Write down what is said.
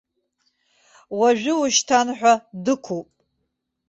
Уажәыуажәшьҭан ҳәа дықәуп?!